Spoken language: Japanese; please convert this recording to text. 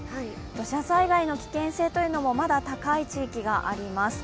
土砂災害の危険性もまだ高い地域があります。